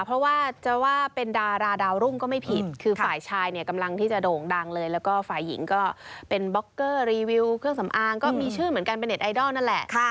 เพราะว่าจะว่าเป็นดาราดาวรุ่งก็ไม่ผิดคือฝ่ายชายเนี่ยกำลังที่จะโด่งดังเลยแล้วก็ฝ่ายหญิงก็เป็นบล็อกเกอร์รีวิวเครื่องสำอางก็มีชื่อเหมือนกันเป็นเน็ตไอดอลนั่นแหละ